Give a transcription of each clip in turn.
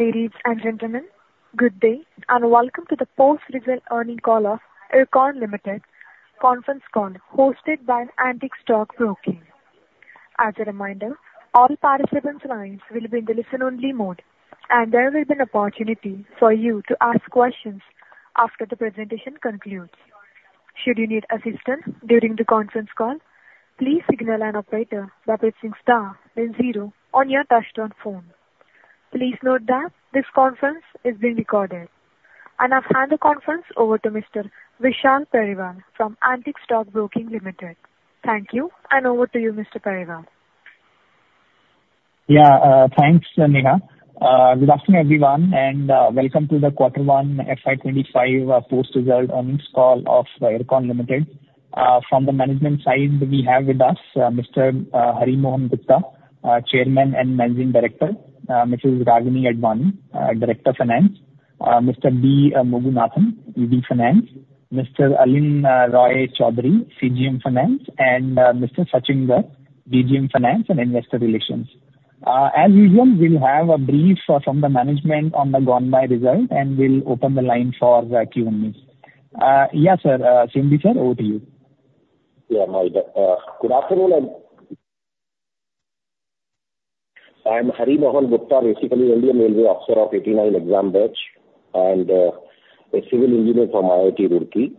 Ladies and gentlemen, good day, and welcome to the post-result earning call of IRCON Limited conference call, hosted by Antique Stock Broking. As a reminder, all participants' lines will be in the listen-only mode, and there will be an opportunity for you to ask questions after the presentation concludes. Should you need assistance during the conference call, please signal an operator by pressing star then zero on your touchtone phone. Please note that this conference is being recorded. I'll hand the conference over to Mr. Vishal Periwal from Antique Stock Broking Limited. Thank you, and over to you, Mr. Periwal. Yeah, thanks, Neha. Good afternoon, everyone, and welcome to the Quarter 1 FY 25 post result earnings call of IRCON Limited. From the management side, we have with us Mr. Hari Mohan Gupta, Chairman and Managing Director, Mrs. Ragini Advani, Director, Finance, Mr. B. Mugunthan, ED, Finance, Mr. Aleen Roy Chowdhury, CGM, Finance, and Mr. Sachin Gupta, DGM, Finance and Investor Relations. As usual, we'll have a brief from the management on the gone by results, and we'll open the line for Q&A. Yeah, sir, Shri Hari sir, over to you. Yeah, good afternoon. I'm Hari Mohan Gupta, basically Indian Railway officer of 89 exam batch and, a civil engineer from IIT Roorkee.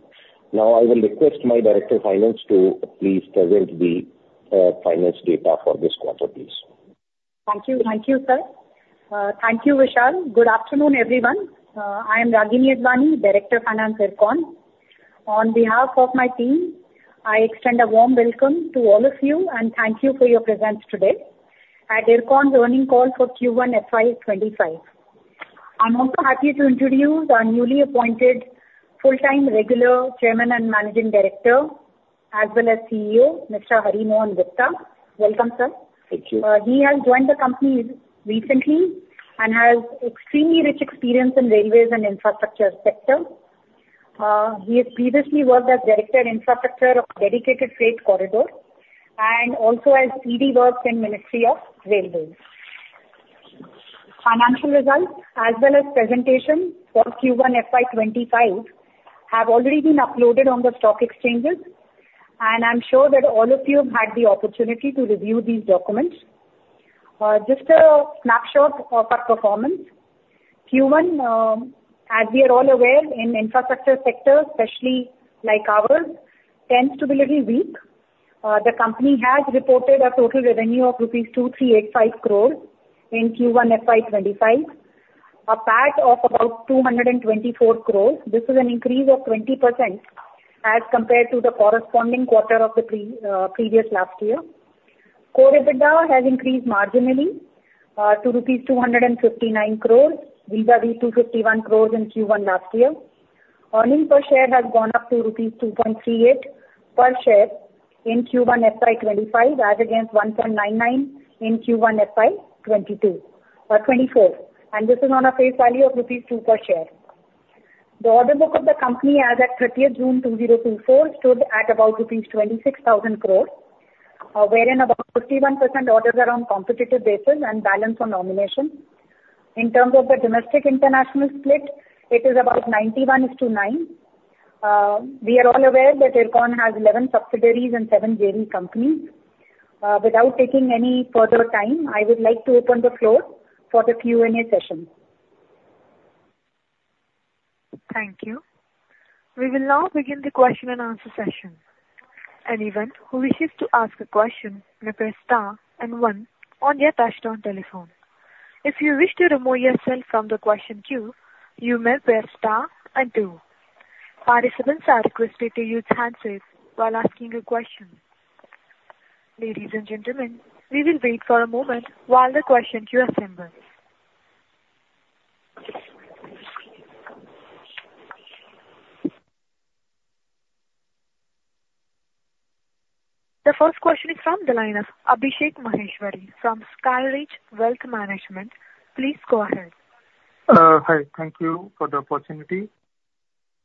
Now, I will request my director of finance to please present the, finance data for this quarter, please. Thank you. Thank you, sir. Thank you, Vishal. Good afternoon, everyone. I am Ragini Advani, Director of Finance, IRCON. On behalf of my team, I extend a warm welcome to all of you, and thank you for your presence today at IRCON's earnings call for Q1 FY25. I'm also happy to introduce our newly appointed full-time regular Chairman and Managing Director as well as CEO, Mr. Hari Mohan Gupta. Welcome, sir. Thank you. He has joined the company recently and has extremely rich experience in railways and infrastructure sector. He has previously worked as Director, Infrastructure of Dedicated Freight Corridor, and also as ED Works in Ministry of Railways. Financial results, as well as presentation for Q1 FY 2025, have already been uploaded on the stock exchanges, and I'm sure that all of you have had the opportunity to review these documents. Just a snapshot of our performance. Q1, as we are all aware, in infrastructure sector, especially like ours, tends to be a little weak. The company has reported a total revenue of rupees 2,385 crore in Q1 FY 2025, a PAT of about 224 crore. This is an increase of 20% as compared to the corresponding quarter of the previous year. Core EBITDA has increased marginally to rupees 259 crore vis-a-vis 251 crore in Q1 last year. Earnings per share has gone up to rupees 2.38 per share in Q1 FY 2025, as against 1.99 rupees in Q1 FY 2024, and this is on a face value of rupees 2 per share. The order book of the company as at 30th June 2024 stood at about rupees 26,000 crore, wherein about 51% orders are on competitive basis and balance on nomination. In terms of the domestic-international split, it is about 91-9. We are all aware that IRCON has 11 subsidiaries and 7 JV companies. Without taking any further time, I would like to open the floor for the Q&A session. Thank you. We will now begin the question and answer session. Anyone who wishes to ask a question may press star and one on your touchtone telephone. If you wish to remove yourself from the question queue, you may press star and two. Participants are requested to use handsets while asking a question. Ladies and gentlemen, we will wait for a moment while the question queue assembles. The first question is from the line of Abhishek Maheshwari from Skyridge Wealth Management. Please go ahead. Hi. Thank you for the opportunity.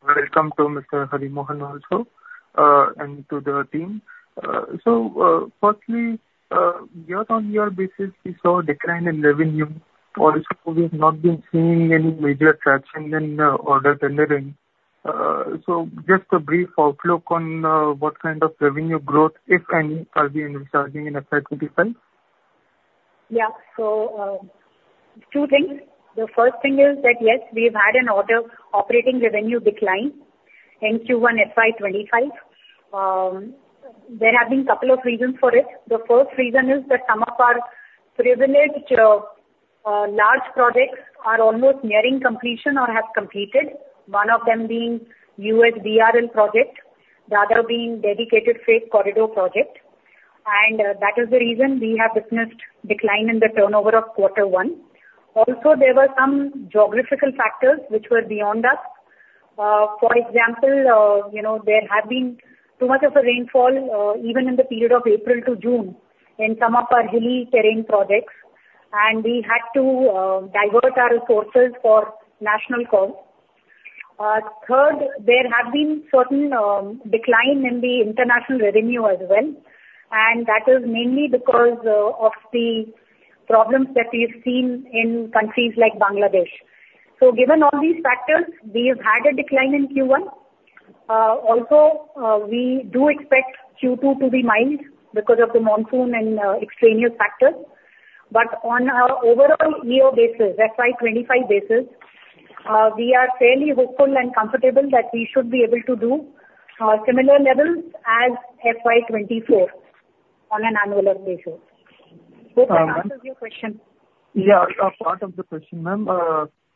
Welcome to Mr. Hari Mohan also, and to the team. So, firstly, year-on-year basis, we saw a decline in revenue. Also, we've not been seeing any major traction in order delivery. So just a brief outlook on what kind of revenue growth, if any, are we expecting in FY 2025? Yeah. So, two things. The first thing is that, yes, we've had an order operating revenue decline in Q1 FY25. There have been a couple of reasons for it. The first reason is that some of our privileged large projects are almost MEAring completion or have completed, one of them being USBRL project, the other being Dedicated Freight Corridor project, and that is the reason we have witnessed decline in the turnover of quarter one. Also, there were some geographical factors which were beyond us. For example, you know, there had been too much of a rainfall, even in the period of April to June in some of our hilly terrain projects, and we had to divert our resources for national cause.... Third, there have been certain decline in the international revenue as well, and that is mainly because of the problems that we've seen in countries like Bangladesh. So given all these factors, we have had a decline in Q1. Also, we do expect Q2 to be mild because of the monsoon and extraneous factors. But on our overall year basis, FY 25 basis, we are fairly hopeful and comfortable that we should be able to do similar levels as FY 24 on an annual basis. Hope that answers your question. Yeah, a part of the question, ma'am.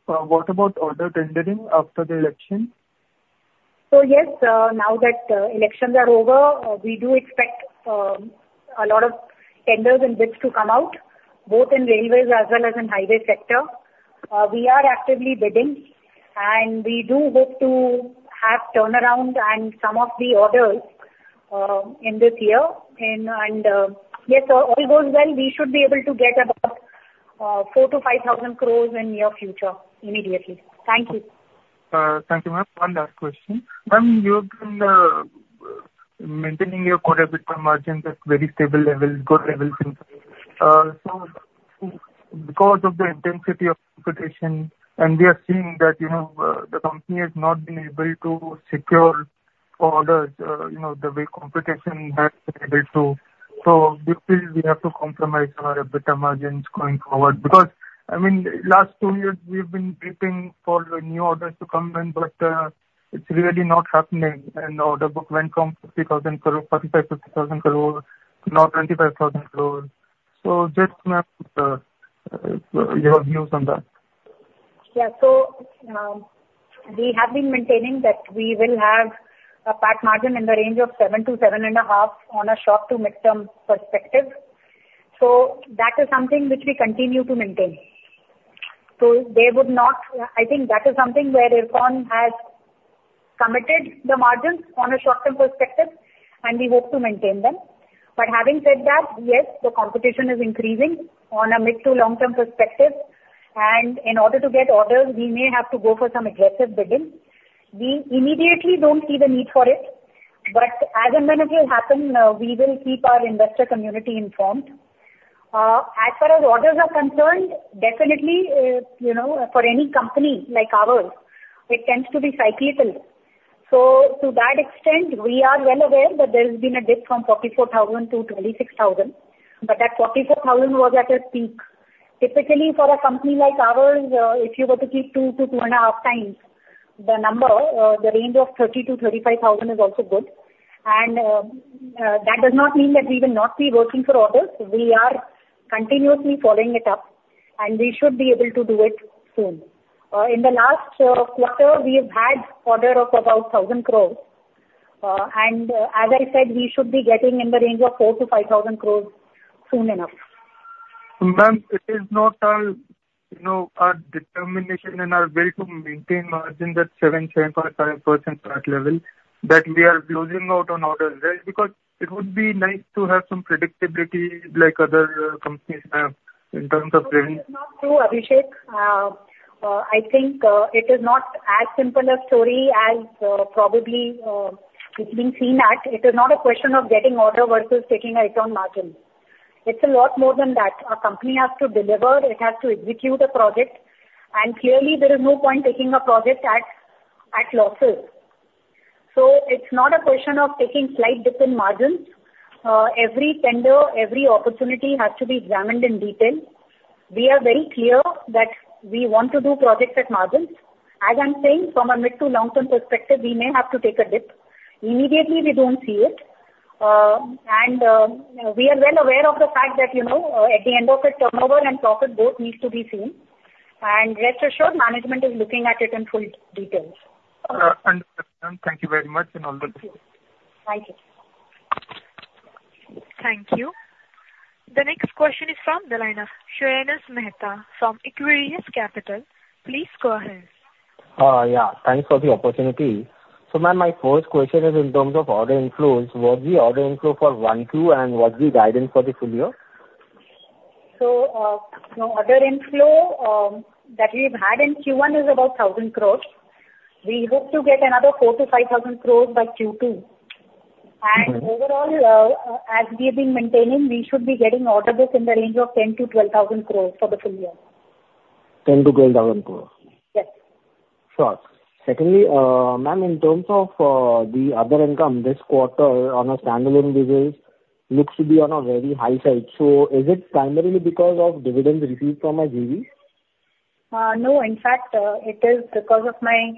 What about order tendering after the election? So yes, now that elections are over, we do expect a lot of tenders and bids to come out, both in railways as well as in highway sector. We are actively bidding, and we do hope to have turnaround and some of the orders in this year. Yes, if all goes well, we should be able to get about 4,000 crore-5,000 crore in MEAr future immediately. Thank you. Thank you, ma'am. One last question. Ma'am, you've been maintaining your core EBITDA margins at very stable level, good levels in fact. So because of the intensity of competition, and we are seeing that, you know, the company has not been able to secure orders, you know, the way competition has been able to. So do you feel we have to compromise our EBITDA margins going forward? Because, I mean, last two years, we've been waiting for the new orders to come in, but, it's really not happening. And order book went from 50,000 crore... 45, 50,000 crore, now 25,000 crore. So just, ma'am, your views on that. Yeah. So, we have been maintaining that we will have a PAT margin in the range of 7%-7.5% on a short- to mid-term perspective. So that is something which we continue to maintain. So there would not. I think that is something where IRCON has committed the margins on a short-term perspective, and we hope to maintain them. But having said that, yes, the competition is increasing on a mid- to long-term perspective, and in order to get orders, we may have to go for some aggressive bidding. We immediately don't see the need for it, but as and when it will happen, we will keep our investor community informed. As far as orders are concerned, definitely, you know, for any company like ours, it tends to be cyclical. So to that extent, we are well aware that there's been a dip from 44,000 to 26,000, but that 44,000 was at its peak. Typically, for a company like ours, if you were to keep 2 to 2.5 times the number, the range of 30,000-35,000 is also good. That does not mean that we will not be working for orders. We are continuously following it up, and we should be able to do it soon. In the last quarter, we have had order of about 1,000 crore. And as I said, we should be getting in the range of 4,000 crore-5,000 crore soon enough. Ma'am, it is not our, you know, our determination and our will to maintain margin at 7-7.5% PAT level, that we are losing out on orders, right? Because it would be nice to have some predictability like other companies, ma'am, in terms of- No, it is not true, Abhishek. I think it is not as simple a story as probably it's being seen at. It is not a question of getting order versus taking a hit on margin. It's a lot more than that. A company has to deliver, it has to execute a project, and clearly there is no point taking a project at losses. So it's not a question of taking slight dip in margins. Every tender, every opportunity has to be examined in detail. We are very clear that we want to do projects at margins. As I'm saying, from a mid to long-term perspective, we may have to take a dip. Immediately, we don't see it. We are well aware of the fact that, you know, at the end of it, turnover and profit both needs to be seen. Rest assured, management is looking at it in full details. Ma'am, thank you very much and all the best. Thank you. Thank you. The next question is from the line of Shreyans Mehta from Equirus Capital. Please go ahead. Yeah, thanks for the opportunity. So, ma'am, my first question is in terms of order inflows. What's the order inflow for one, two, and what's the guidance for the full year? So, order inflow that we've had in Q1 is about 1,000 crore. We hope to get another 4,000 crore-5,000 crore by Q2. Mm-hmm. Overall, as we've been maintaining, we should be getting order book in the range of 10,000-12,000 crore for the full year. 10,000 crore-12,000 crore? Yes. Sure. Secondly, ma'am, in terms of, the other income this quarter on a standalone basis looks to be on a very high side. So is it primarily because of dividends received from our JVs? No. In fact, it is because of my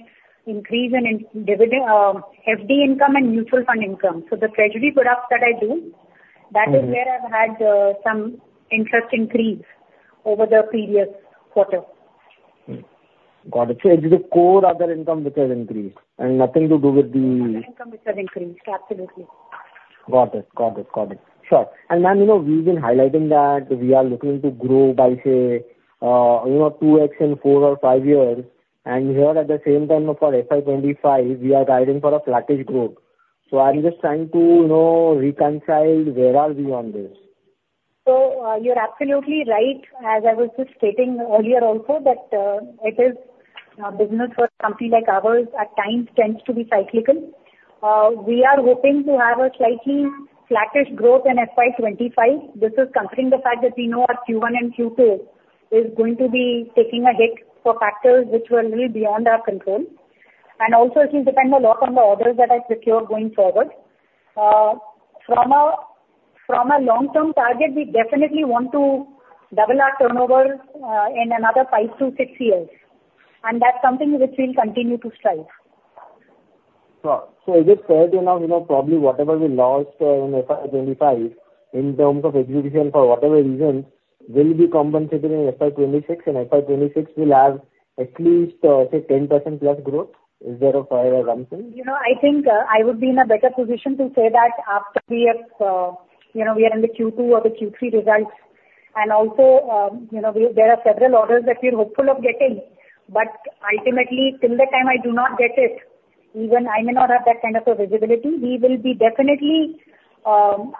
increase in dividend, FD income and mutual fund income. So the treasury products that I do- Mm-hmm. -that is where I've had some interest increase over the previous quarter. Hmm. Got it. So it's the core other income which has increased, and nothing to do with the- Other income which has increased. Absolutely. Got it. Got it. Got it. Sure. And, ma'am, you know, we've been highlighting that we are looking to grow by, say, you know, 2x in 4 or 5 years. And here at the same time, for FY 2025, we are guiding for a flattish growth. So I'm just trying to, you know, reconcile where are we on this? ...So, you're absolutely right. As I was just stating earlier also, that it is business for a company like ours, at times tends to be cyclical. We are hoping to have a slightly flattish growth in FY 25. This is considering the fact that we know our Q1 and Q2 is going to be taking a hit for factors which were little beyond our control. And also it will depend a lot on the orders that are secured going forward. From a long-term target, we definitely want to double our turnover, in another 5-6 years, and that's something which we'll continue to strive. Is it fair to say, you know, probably whatever we lost in FY 25, in terms of execution, for whatever reasons, will be compensated in FY 26, and FY 26 will have at least, say, 10% plus growth? Is there a fair assumption? You know, I think, I would be in a better position to say that after we have, you know, we are in the Q2 or the Q3 results. And also, you know, there are several orders that we're hopeful of getting. But ultimately, till the time I do not get it, even I may not have that kind of a visibility. We will be definitely,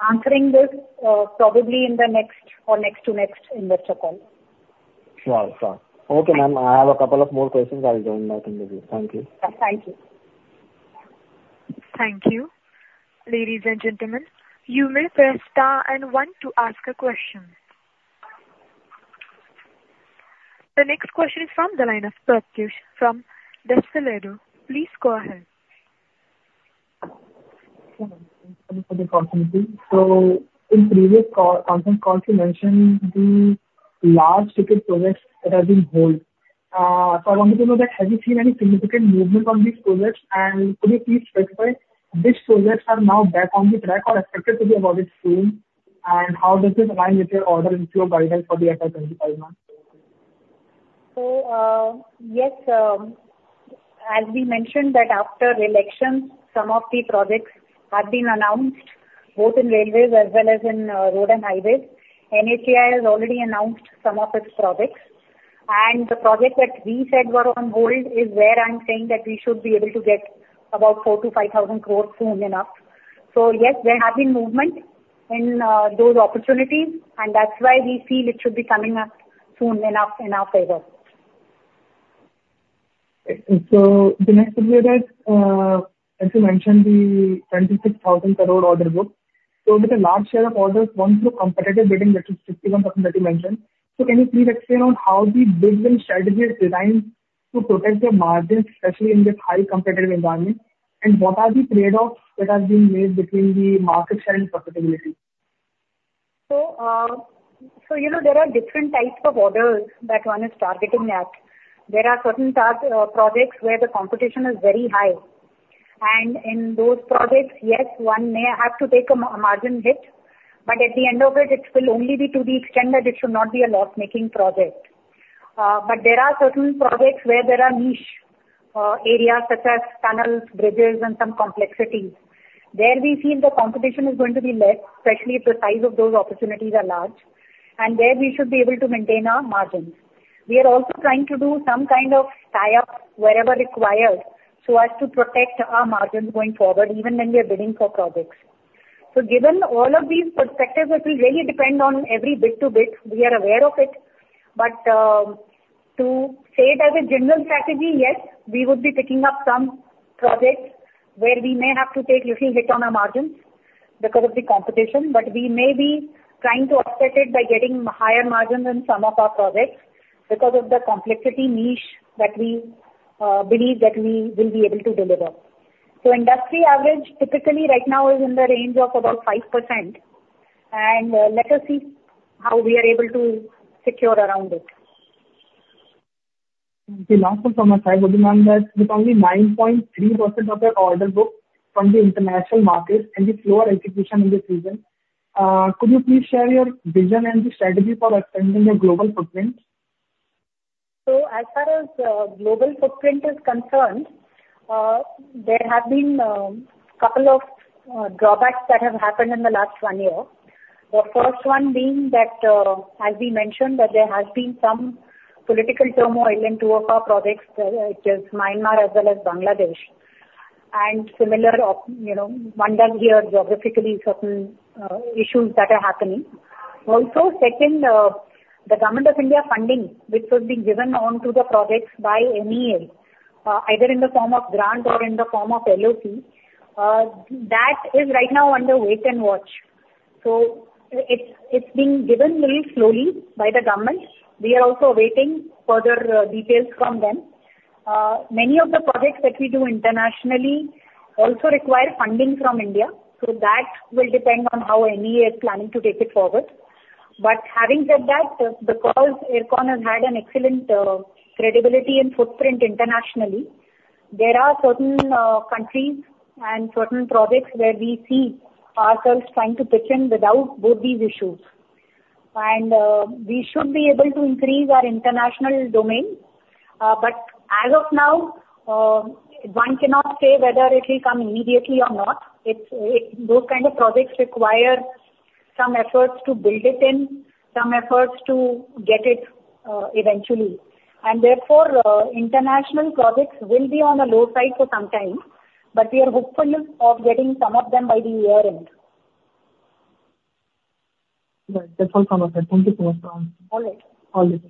answering this, probably in the next or next to next investor call. Sure, sure. Okay, ma'am, I have a couple of more questions. I'll join back in with you. Thank you. Thank you. Thank you. Ladies and gentlemen, you may press star and one to ask a question. The next question is from the line of Prakash from Dolat Capital. Please go ahead. Thank you for the opportunity. So in previous call, conference call, you mentioned the large ticket projects that have been held. So I wanted to know that, have you seen any significant movement on these projects? And could you please specify which projects are now back on the track or expected to be awarded soon, and how does this align with your order in pure guidance for the FY 25 months? So, yes, as we mentioned that after the election, some of the projects have been announced, both in railways as well as in road and highways. NHAI has already announced some of its projects, and the projects that we said were on hold is where I'm saying that we should be able to get about 4,000 crore-5,000 crore soon enough. So yes, there have been movement in those opportunities, and that's why we feel it should be coming up soon in our, in our favor. So the next is, as you mentioned, the 26,000 crore order book. So with a large share of orders going through competitive bidding, that is 61% that you mentioned. So can you please explain on how the bidding strategy is designed to protect your margins, especially in this high competitive environment? And what are the trade-offs that have been made between the market share and profitability? So you know, there are different types of orders that one is targeting at. There are certain target projects where the competition is very high, and in those projects, yes, one may have to take a margin hit, but at the end of it, it will only be to the extent that it should not be a loss-making project. But there are certain projects where there are niche areas such as tunnels, bridges, and some complexities. There we feel the competition is going to be less, especially if the size of those opportunities are large, and there we should be able to maintain our margins. We are also trying to do some kind of tie-up wherever required, so as to protect our margins going forward, even when we are bidding for projects. So given all of these perspectives, it will really depend on every bid to bid. We are aware of it, but, to say it as a general strategy, yes, we would be picking up some projects where we may have to take little hit on our margins because of the competition. But we may be trying to offset it by getting higher margins on some of our projects because of the complexity niche that we, believe that we will be able to deliver. So industry average, typically right now is in the range of about 5%, and, let us see how we are able to secure around it. The last one from my side would be, ma'am, that with only 9.3% of your order book from the international markets and the slower execution in the region, could you please share your vision and the strategy for expanding your global footprint? So as far as global footprint is concerned, there have been couple of drawbacks that have happened in the last one year. The first one being that, as we mentioned, that there has been some political turmoil in two of our projects, which is Myanmar as well as Bangladesh. And similar, of, you know, one down here, geographically, certain issues that are happening. Also, second, the government of India funding, which was being given on to the projects by MEA, either in the form of grant or in the form of LOC, that is right now under wait and watch. So it's being given very slowly by the government. We are also waiting further details from them. Many of the projects that we do internationally also require funding from India, so that will depend on how MEA is planning to take it forward. But having said that, because IRCON has had an excellent credibility and footprint internationally, there are certain countries and certain projects where we see ourselves trying to pitch in without both these issues. And we should be able to increase our international domain, but as of now, one cannot say whether it will come immediately or not. It's those kind of projects require some efforts to get it eventually. And therefore, international projects will be on the low side for some time, but we are hopeful of getting some of them by the year end. Right. That's all from us. Thank you so much. All right. All right.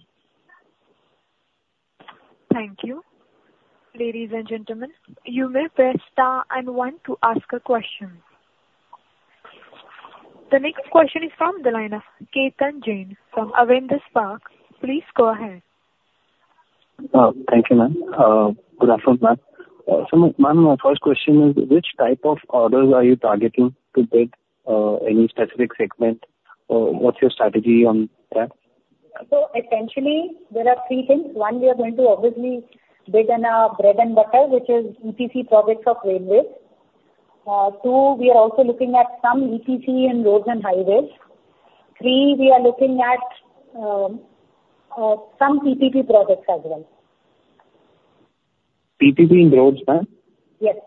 Thank you. Ladies and gentlemen, you may press star and one to ask a question. The next question is from the line of Ketan Jain from Avendus Spark. Please go ahead. Thank you, ma'am. Good afternoon, ma'am. So ma'am, my first question is: Which type of orders are you targeting to take, any specific segment, or what's your strategy on that? So essentially, there are three things. One, we are going to obviously bid in our bread and butter, which is EPC projects of railways. Two, we are also looking at some EPC in roads and highways. Three, we are looking at some PPP projects as well. PPP in roads, ma'am? Yes.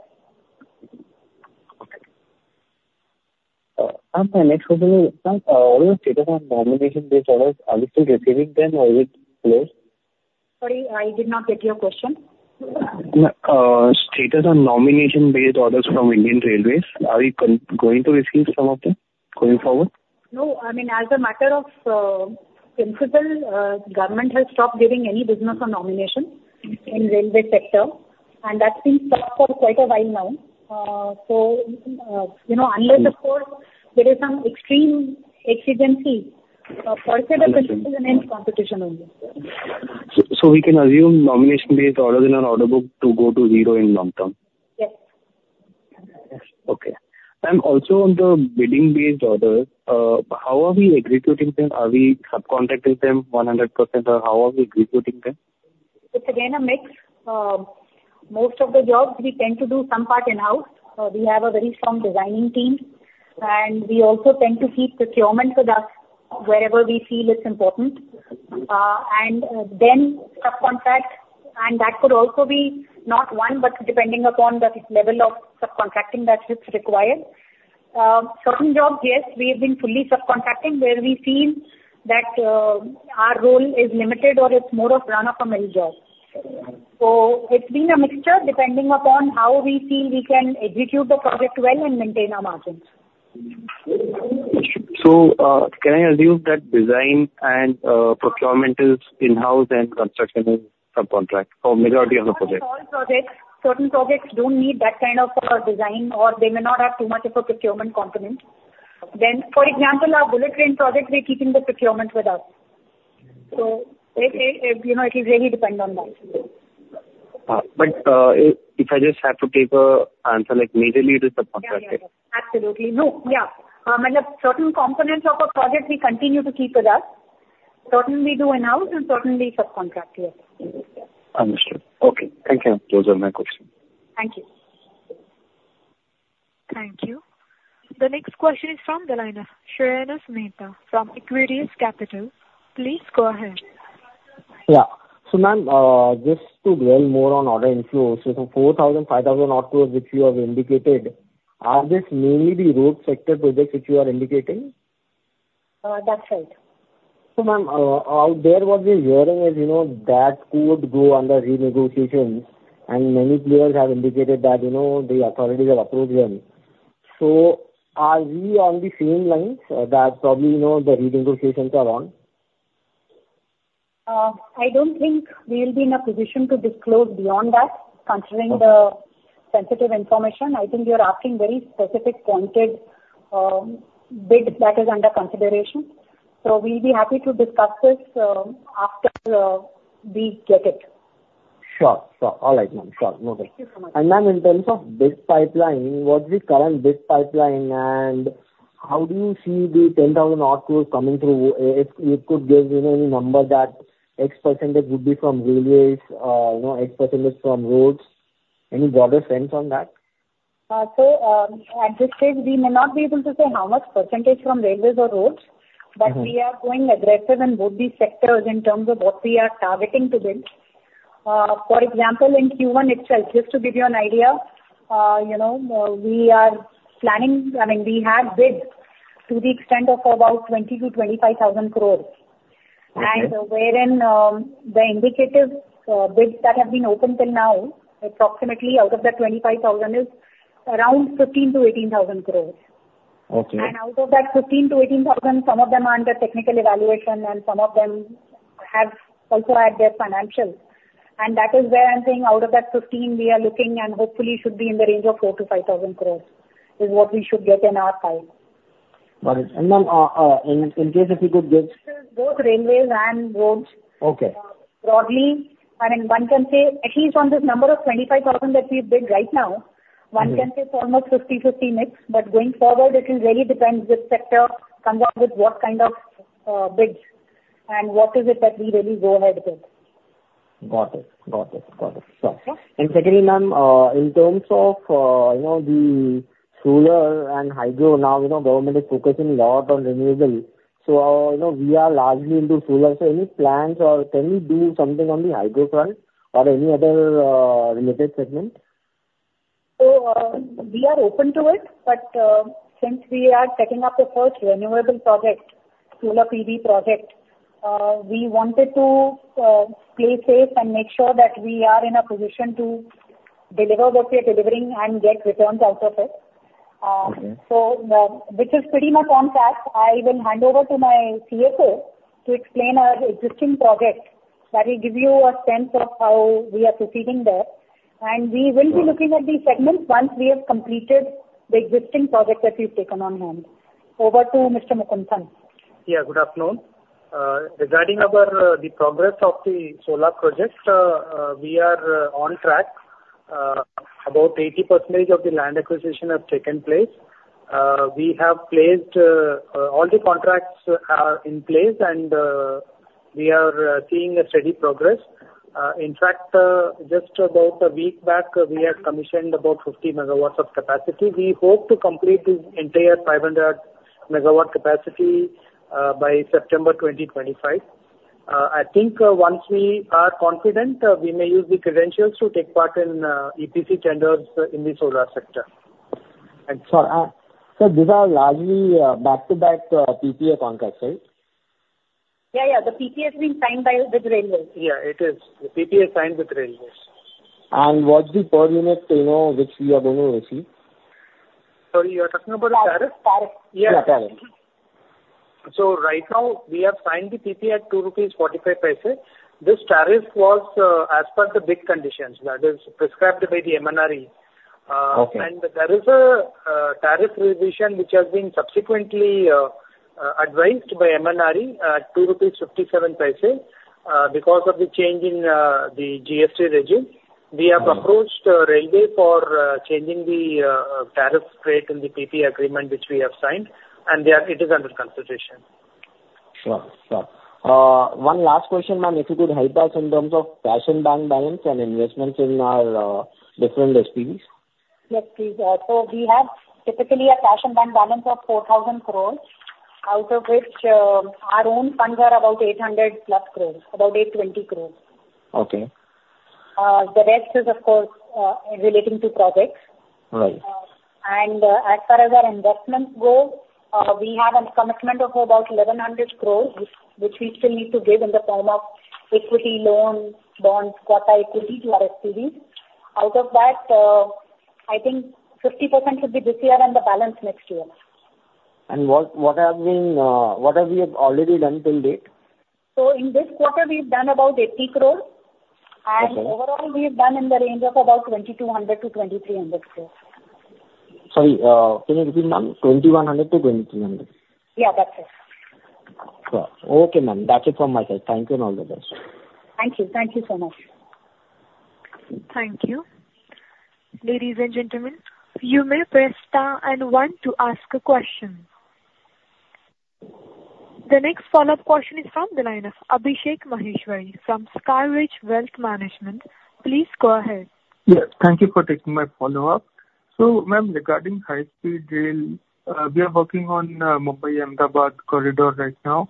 My next question is, ma'am, all the status on nomination based orders, are we still receiving them or is it closed? Sorry, I did not get your question. Status on nomination-based orders from Indian Railways. Are you going to receive some of them going forward? No. I mean, as a matter of principle, government has stopped giving any business on nomination- Mm-hmm. -in railway sector, and that's been stopped for quite a while now. So, you know, unless of course there is some extreme exigency, first the principle and then competition only. So, we can assume nomination-based orders in our order book to go to zero in long term? Yes. Okay. Ma'am, also on the bidding-based orders, how are we executing them? Are we subcontracting them 100%, or how are we executing them? It's again a mix. Most of the jobs we tend to do some part in-house. We have a very strong designing team, and we also tend to keep procurement with us wherever we feel it's important. And, then subcontracts, and that could also be not one, but depending upon the level of subcontracting that is required. Certain jobs, yes, we have been fully subcontracting, where we feel that, our role is limited, or it's more of run-of-the-mill jobs. So it's been a mixture, depending upon how we feel we can execute the project well and maintain our margins. Can I assume that design and procurement is in-house and construction is subcontract for majority of the projects? Not all projects. Certain projects don't need that kind of a design, or they may not have too much of a procurement component. Then, for example, our bullet train project, we're keeping the procurement with us. So it, you know, it will really depend on that. But, if I just have to give a answer, like, majorly it is subcontracted. Yeah, yeah. Absolutely. No, yeah. I mean, certain components of a project we continue to keep with us, certain we do in-house, and certain we subcontract, yes. Understood. Okay. Thank you. Those are my questions. Thank you. Thank you. The next question is from the line of Shreyans Mehta from Equirus Capital. Please go ahead. Yeah. So, ma'am, just to dwell more on order inflows, so the 4,000-5,000 crore which you have indicated, are these mainly the road sector projects which you are indicating? That's right. So, ma'am, out there, what we're hearing is, you know, that could go under renegotiations, and many players have indicated that, you know, the authorities have approached them. So are we on the same lines, that probably, you know, the renegotiations are on? I don't think we will be in a position to disclose beyond that, considering the- Okay. Sensitive information. I think you're asking very specific pointed bids that is under consideration. So we'll be happy to discuss this after we get it. Sure, sure. All right, ma'am. Sure. No problem. Thank you so much. Ma'am, in terms of bid pipeline, what's the current bid pipeline, and how do you see the 10,000 crore coming through? If you could give, you know, any number that X percentage would be from railways, you know, X percentage from roads. Any broader sense on that? At this stage, we may not be able to say how much percentage from railways or roads- Mm-hmm. but we are going aggressive in both these sectors in terms of what we are targeting to build. For example, in Q1 itself, just to give you an idea, you know, we are planning... I mean, we had bids to the extent of about 20,000 crore-25,000 crore. Okay. Wherein the indicative bids that have been open till now, approximately out of the 25,000 crore, is around 15,000-18,000 crore. Okay. Out of that 15,000-18,000 crore, some of them are under technical evaluation, and some of them have also added their financials. That is where I'm saying out of that 15, we are looking and hopefully should be in the range of 4,000-5,000 crore, is what we should get in our pipe. Got it. And, ma'am, in case if you could give- Both railways and roads. Okay. Broadly, I mean, one can say at least on this number of 25,000 that we bid right now- Mm-hmm. One can say it's almost 50/50 mix, but going forward, it will really depend which sector comes up with what kind of bids and what is it that we really go ahead with. Got it. Got it. Got it. Sure. Okay? And secondly, ma'am, in terms of, you know, the solar and hydro, now, you know, the government is focusing a lot on renewable, so, you know, we are largely into solar. So any plans or can we do something on the hydro front or any other related segment?... So, we are open to it, but since we are setting up a first renewable project, solar PV project, we wanted to play safe and make sure that we are in a position to deliver what we are delivering and get returns out of it. Mm-hmm. which is pretty much on track. I will hand over to my CFO to explain our existing project. That will give you a sense of how we are proceeding there, and we will be looking at the segments once we have completed the existing project that we've taken on hand. Over to Mr. Mugunthan. Yeah, good afternoon. Regarding our the progress of the solar projects, we are on track. About 80% of the land acquisition has taken place. We have placed all the contracts are in place, and we are seeing a steady progress. In fact, just about a week back, we had commissioned about 50 megawatts of capacity. We hope to complete the entire 500 megawatt capacity by September 2025. I think once we are confident, we may use the credentials to take part in EPC tenders in the solar sector. So these are largely back-to-back PPA contracts, right? Yeah, yeah. The PPA has been signed by the railways. Yeah, it is. The PPA is signed with Railways. What's the per unit, you know, which we are going to receive? Sorry, you're talking about the tariff? Tariff, tariff. Yeah. Yeah, tariff. So right now, we have signed the PPA at 2.45 rupees. This tariff was, as per the bid conditions, that is prescribed by the MNRE. Okay. and there is a tariff revision, which has been subsequently advised by MNRE at 2.57 rupees. Because of the change in the GST regime, we have approached Railway for changing the tariff rate in the PPA agreement, which we have signed, and it is under consideration. Sure. Sure. One last question, ma'am, if you could help us in terms of cash and bank balance and investments in our different SPVs? Yes, please. So we have typically a cash and bank balance of 4,000 crore, out of which, our own funds are about 800+ crore, about 820 crore. Okay. The rest is of course relating to projects. Right. As far as our investments go, we have a commitment of about 1,100 crore, which we still need to give in the form of equity loans, bonds, quota equity to our SPVs. Out of that, I think 50% will be this year and the balance next year. What have we already done till date? So in this quarter, we've done about 80 crore. Okay. Overall, we've done in the range of about 2,200 crore-2,300 crore. Sorry, can you repeat, ma'am? 2100-2300. Yeah, that's it. Sure. Okay, ma'am, that's it from my side. Thank you, and all the best. Thank you. Thank you so much. Thank you. Ladies and gentlemen, you may press star and one to ask a question. The next follow-up question is from the line of Abhishek Maheshwari from Skyridge Wealth Management. Please go ahead. Yes, thank you for taking my follow-up. So, ma'am, regarding high-speed rail, we are working on Mumbai-Ahmedabad corridor right now.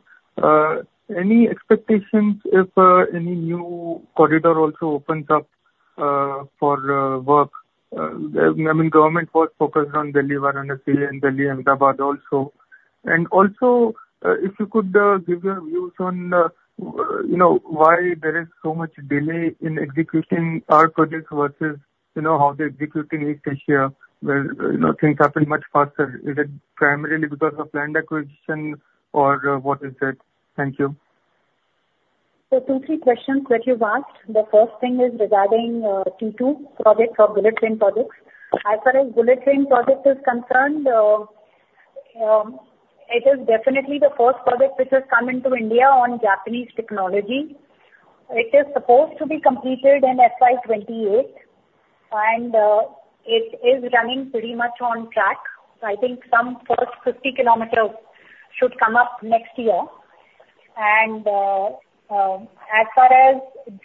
Any expectations if any new corridor also opens up for work? I mean, government was focused on Delhi-Varanasi and Delhi-Ahmedabad also. And also, if you could give your views on you know, why there is so much delay in executing our projects versus you know, how they're executing East Asia, where you know, things happen much faster. Is it primarily because of land acquisition, or what is it? Thank you. So two, three questions that you've asked. The first thing is regarding the two project or bullet train projects. As far as bullet train project is concerned, it is definitely the first project which has come into India on Japanese technology. It is supposed to be completed in FY 2028, and it is running pretty much on track. I think the first 50 kilometers should come up next year. And as far as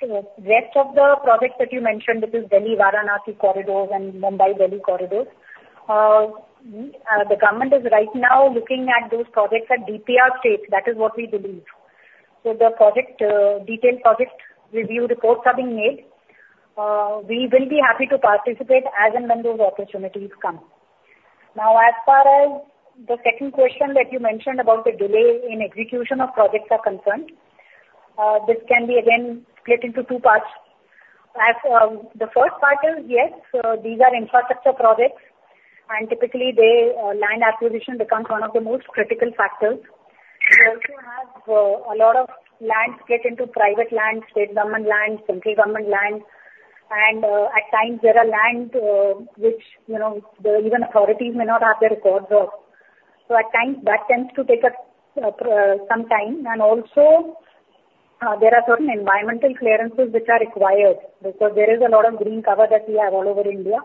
the rest of the projects that you mentioned, which is Delhi-Varanasi corridor and Mumbai-Delhi corridor, the government is right now looking at those projects at DPR stage. That is what we believe. So the project detailed project review reports are being made. We will be happy to participate as and when those opportunities come. Now, as far as the second question that you mentioned about the delay in execution of projects are concerned, this can be again split into two parts. As, the first part is, yes, these are infrastructure projects, and typically the, land acquisition becomes one of the most critical factors. We also have, a lot of lands get into private land, state government land, central government land, and, at times there are land, which, you know, the even authorities may not have the records of. So at times, that tends to take a, some time, and also, there are certain environmental clearances which are required, because there is a lot of green cover that we have all over India,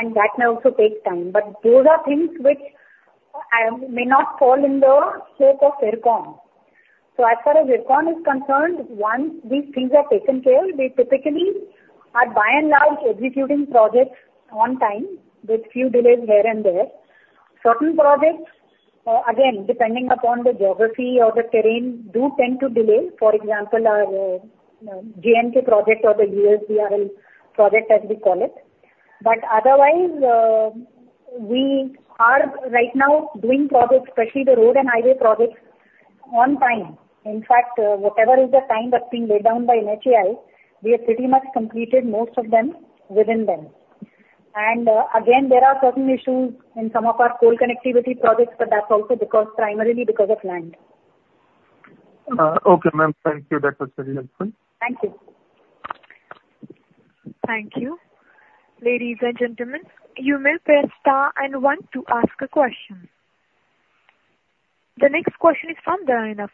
and that may also take time. But those are things which, may not fall in the scope of IRCON. So as far as IRCON is concerned, once these things are taken care, we typically are by and large executing projects on time, with few delays here and there. Certain projects, again, depending upon the geography or the terrain, do tend to delay. For example, our J&K project or the USBRL project, as we call it. But otherwise, we are right now doing projects, especially the road and highway projects, on time. In fact, whatever is the time that's being laid down by NHAI, we have pretty much completed most of them within them. And again, there are certain issues in some of our coal connectivity projects, but that's also because, primarily because of land. Okay, ma'am. Thank you. That was very helpful. Thank you. Thank you. Ladies and gentlemen, you may press star and one to ask a question. The next question is from the line of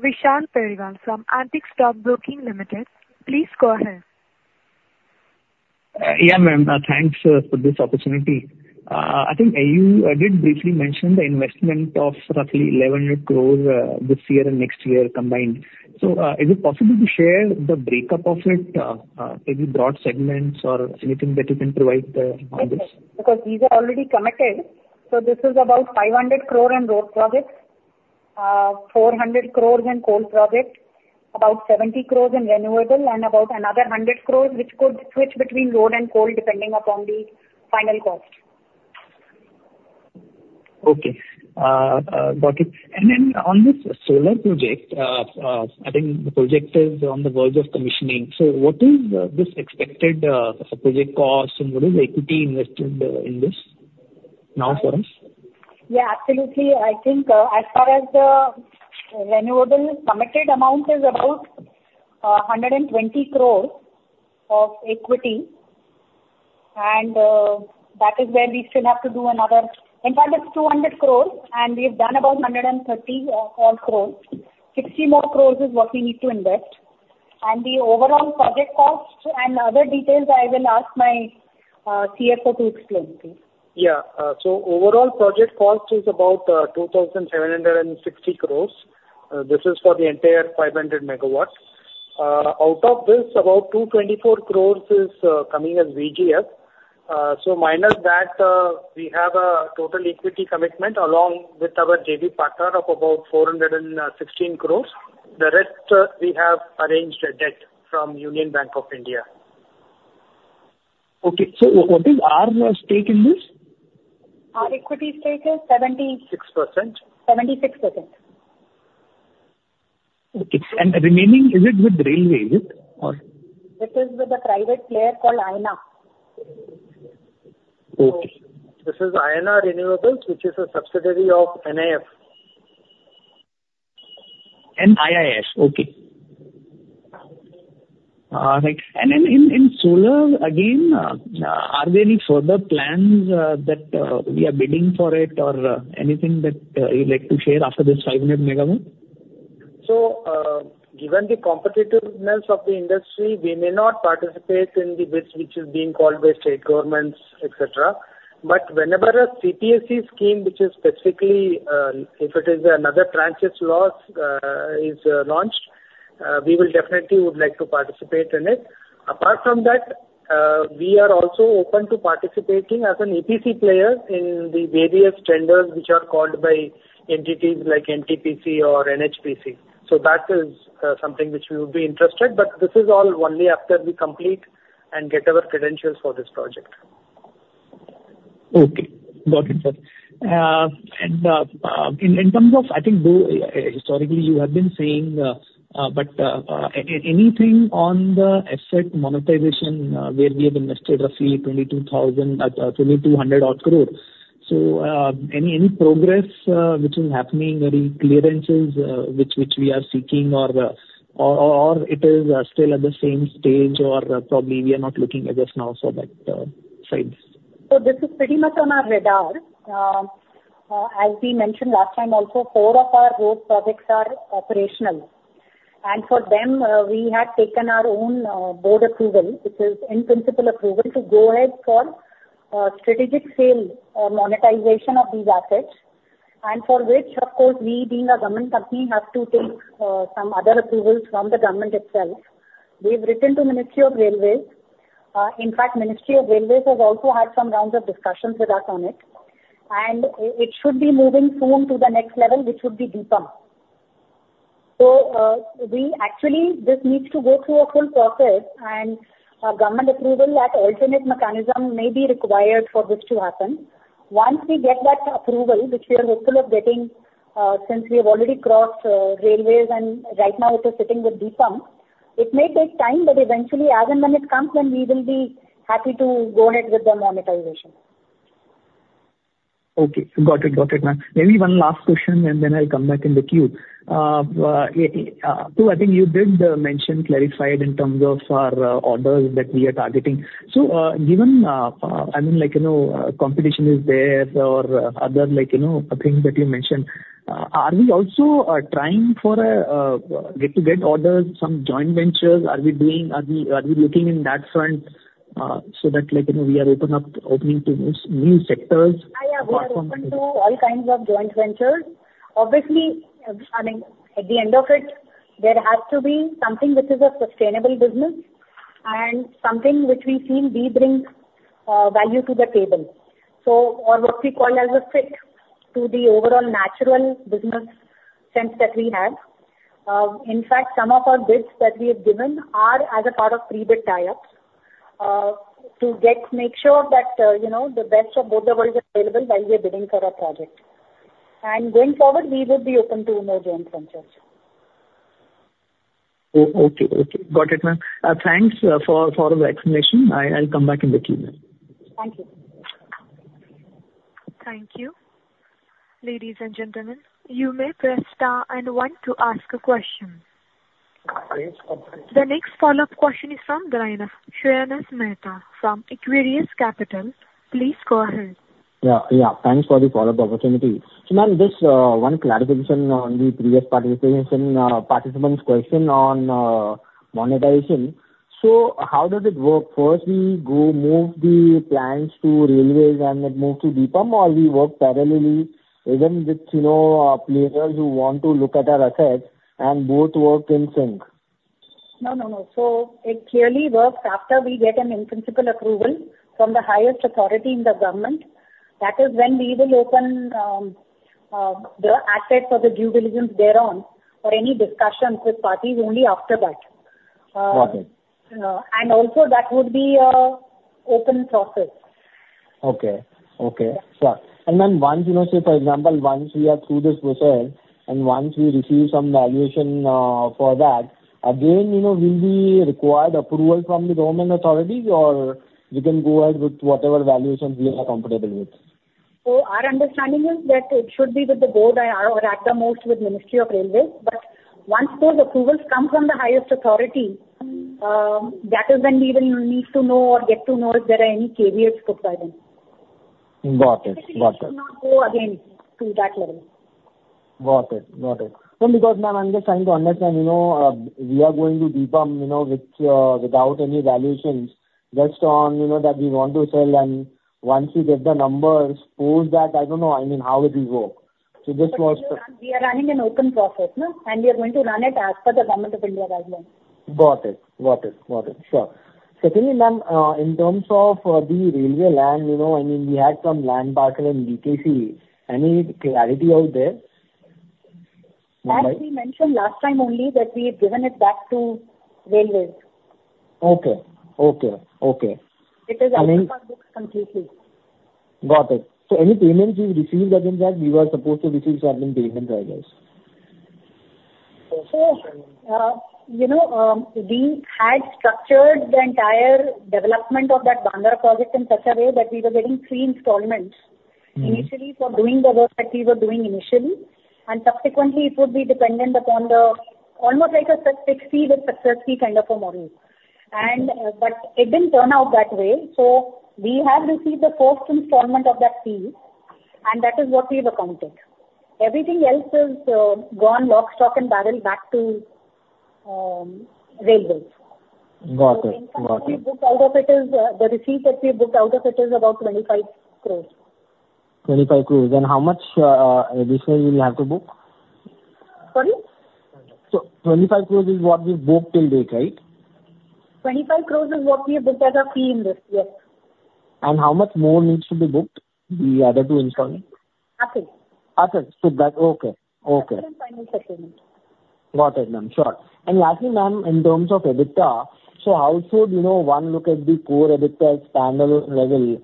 Vishal Periwal from Antique Stock Broking Limited. Please go ahead. Yeah, ma'am. Thanks for this opportunity. I think you did briefly mention the investment of roughly 1,100 crore this year and next year combined. So, is it possible to share the breakup of it, maybe broad segments or anything that you can provide on this? Okay. Because these are already committed, so this is about 500 crore in road projects, 400 crores in coal projects, about 70 crores in renewable, and about another 100 crores, which could switch between road and coal, depending upon the final cost. Okay. Got it. And then on this solar project, I think the project is on the verge of commissioning. So what is this expected project cost, and what is the equity invested in this now for us? Yeah, absolutely. I think, as far as the renewable committed amount is about 120 crore of equity, and that is where we still have to do another... In fact, it's 200 crore, and we've done about 130, all crores. 60 more crores is what we need to invest. And the overall project cost and other details, I will ask my CFO to explain, please. Yeah. So overall project cost is about 2,760 crore. This is for the entire 500 megawatts. Out of this, about 224 crore is coming as VGF. So minus that, we have a total equity commitment along with our JV partner of about 416 crore. The rest, we have arranged a debt from Union Bank of India. Okay. So what is our stake in this? Our equity stake is 70- Six percent. Seventy-six percent. Okay. Remaining, is it with railway, is it? Or- It is with a private player called Ayana. Okay. This is Ayana Renewables, which is a subsidiary of NIIF. NIIF, okay. Right. And in solar, again, are there any further plans that we are bidding for it or anything that you'd like to share after this 500 megawatt? Given the competitiveness of the industry, we may not participate in the bids which is being called by state governments, et cetera. But whenever a CPSU scheme, which is specifically, if it is another tranches laws, is launched, we will definitely would like to participate in it. Apart from that, we are also open to participating as an EPC player in the various tenders which are called by entities like NTPC or NHPC. So that is something which we would be interested, but this is all only after we complete and get our credentials for this project. Okay. Got it, sir. And, in terms of, I think, though, historically, you have been saying, but, anything on the asset monetization, where we have invested roughly 2,200-odd crore INR. So, any progress, which is happening, any clearances, which we are seeking, or, or it is still at the same stage, or probably we are not looking at just now for that, phase? So this is pretty much on our radar. As we mentioned last time also, four of our road projects are operational. And for them, we had taken our own board approval, which is in-principle approval, to go ahead for strategic sale, monetization of these assets, and for which, of course, we, being a government company, have to take some other approvals from the government itself. We've written to Ministry of Railways. In fact, Ministry of Railways has also had some rounds of discussions with us on it, and it should be moving soon to the next level, which would be DIPAM. So, we actually, this needs to go through a full process, and a government approval at alternate mechanism may be required for this to happen. Once we get that approval, which we are hopeful of getting, since we have already crossed railways, and right now it is sitting with DIPAM, it may take time, but eventually, as and when it comes, then we will be happy to go ahead with the monetization. Okay. Got it. Got it, ma'am. Maybe one last question, and then I'll come back in the queue. So I think you did mention, clarified in terms of our orders that we are targeting. So, given, I mean, like, you know, competition is there or other, like, you know, things that you mentioned, are we also trying for a get to get orders, some joint ventures? Are we doing—Are we, are we looking in that front, so that, like, you know, we are open up, opening to new, new sectors? Yeah, yeah. We are open to all kinds of joint ventures. Obviously, I mean, at the end of it, there has to be something which is a sustainable business... and something which we feel we bring value to the table. So, or what we call as a fit to the overall natural business sense that we have. In fact, some of our bids that we have given are as a part of pre-bid tie-ups to get, make sure that you know, the best of both the worlds are available while we are bidding for a project. And going forward, we would be open to more joint ventures. Okay, okay. Got it, ma'am. Thanks for the explanation. I'll come back in the queue, ma'am. Thank you. Thank you. Ladies and gentlemen, you may press star and one to ask a question. The next follow-up question is from Shreyans Mehta from Equirus Capital. Please go ahead. Yeah, yeah, thanks for the follow-up opportunity. So ma'am, just one clarification on the previous participant's question on monetization. So how does it work? First, we go move the plants to railways and it moves to DIPAM, or we work parallelly, even with, you know, players who want to look at our assets and both work in sync? No, no, no. So it clearly works after we get an in-principle approval from the highest authority in the government. That is when we will open the asset for the due diligence thereon, or any discussions with parties only after that. Got it. Also, that would be an open process. Okay. Okay, sure. And then once, you know, say for example, once we are through this process, and once we receive some valuation, for that, again, you know, we'll be required approval from the government authorities, or we can go ahead with whatever valuations we are comfortable with? So our understanding is that it should be with the Gol or at the most, with Ministry of Railways. But once those approvals come from the highest authority, that is when we will need to know or get to know if there are any caveats put by them. Got it. Got it. Should not go against to that level. Got it. Got it. So because, ma'am, I'm just trying to understand, you know, we are going to DIPAM, you know, with, without any valuations, just on, you know, that we want to sell, and once we get the numbers, post that, I don't know, I mean, how it will work. So just what's the- We are running an open process, no? And we are going to run it as per the Government of India guidelines. Got it. Sure. Secondly, ma'am, in terms of the railway land, you know, I mean, we had some land parcel in BKC. Any clarity out there? As we mentioned last time only, that we have given it back to railways. Okay. Okay, okay. It is out of our books completely. Got it. So any payments we've received against that, we were supposed to receive certain payments, I guess? So, you know, we had structured the entire development of that Bandra project in such a way that we were getting three installments. Mm-hmm. Initially for doing the work that we were doing initially, and subsequently, it would be dependent upon the... almost like a success, success fee kind of a model. And, but it didn't turn out that way, so we have received the first installment of that fee, and that is what we've accounted. Everything else is gone, lock, stock, and barrel back to railways. Got it. Got it. Out of it is, the receipts that we have booked out of it is about 25 crores. 25 crore, and how much this way we'll have to book? Pardon? 25 crores is what we've booked to date, right? 25 crore is what we have booked as a fee in this, yes. How much more needs to be booked, the other two installments? Nothing. Nothing. So that... Okay, okay. Final settlement. Got it, ma'am. Sure. And lastly, ma'am, in terms of EBITDA, so how should, you know, one look at the core EBITDA standard level?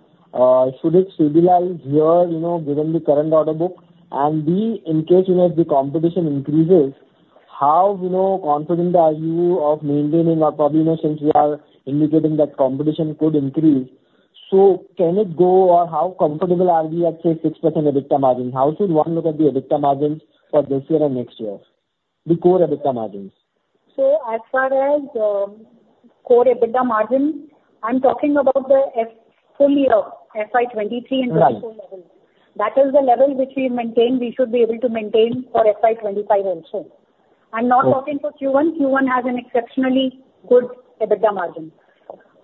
Should it stabilize here, you know, given the current order book? And B, in case, you know, the competition increases, how, you know, confident are you of maintaining or probably, you know, since we are indicating that competition could increase, so can it go, or how comfortable are we at, say, 6% EBITDA margin? How should one look at the EBITDA margins for this year and next year, the core EBITDA margins? So as far as core EBITDA margin, I'm talking about the full year, FY 2023 and 2024 level. Right. That is the level which we maintain, we should be able to maintain for FY 25 also. Okay. I'm not talking for Q1. Q1 has an exceptionally good EBITDA margin.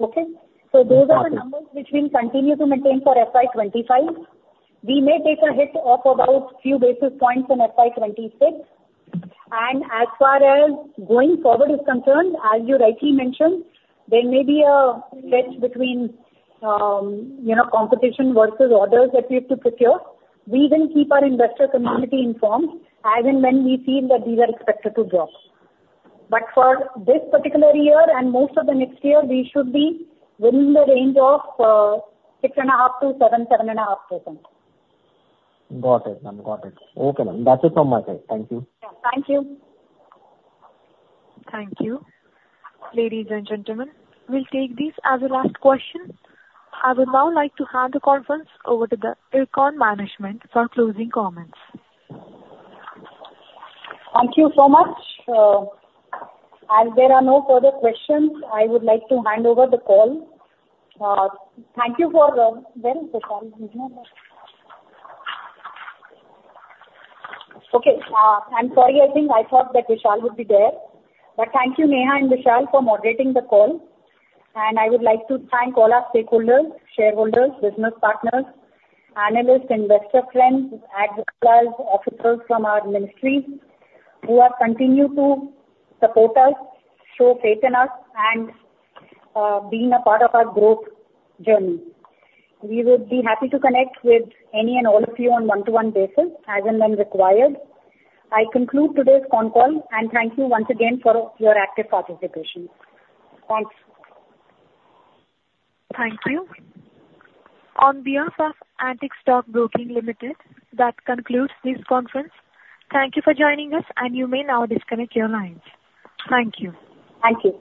Okay? Got it. Those are the numbers which we'll continue to maintain for FY 25. We may take a hit of about few basis points in FY 26, and as far as going forward is concerned, as you rightly mentioned, there may be a stretch between, you know, competition versus orders that we have to procure. We will keep our investor community informed, as in when we feel that these are expected to drop. But for this particular year and most of the next year, we should be within the range of 6.5%-7.5%. Got it, ma'am. Got it. Okay, ma'am, that's it from my side. Thank you. Yeah. Thank you. Thank you. Ladies and gentlemen, we'll take this as the last question. I would now like to hand the conference over to the IRCON management for closing comments. Thank you so much. As there are no further questions, I would like to hand over the call. Thank you for... Where is Vishal? He's not here. Okay, I'm sorry. I think I thought that Vishal would be there. But thank you, Neha and Vishal, for moderating the call. And I would like to thank all our stakeholders, shareholders, business partners, analysts, investor friends, advisors, officials from our ministry, who have continued to support us, show faith in us, and being a part of our growth journey. We would be happy to connect with any and all of you on one-to-one basis, as and when required. I conclude today's con call, and thank you once again for your active participation. Thanks. Thank you. On behalf of Antique Stock Broking Limited, that concludes this conference. Thank you for joining us, and you may now disconnect your lines. Thank you. Thank you.